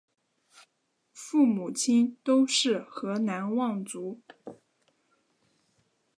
父母亲都是河南望族。